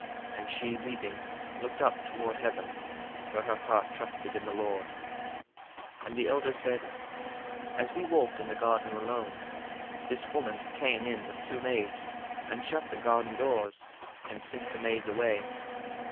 1:35 And she weeping looked up toward heaven: for her heart trusted in the Lord. 1:36 And the elders said, As we walked in the garden alone, this woman came in with two maids, and shut the garden doors, and sent the maids away.